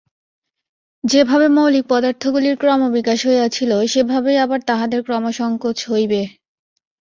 যেভাবে মৌলিক পদার্থগুলির ক্রমবিকাশ হইয়াছিল, সেভাবেই আবার তাহাদের ক্রমসঙ্কোচ হইবে।